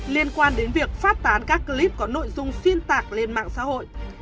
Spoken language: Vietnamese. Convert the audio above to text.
liên quan đến việc phát tán các clip có nội dung xuyên tạc lên mạng xã hội